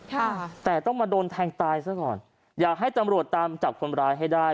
ค่ะแต่ต้องมาโดนแทงตายซะก่อนอยากให้ตำรวจตามจับคนร้ายให้ได้